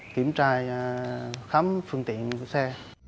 kiểm tra khám phương tiện của xe